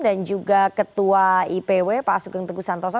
dan juga ketua ipw pak asukeng teguh santoso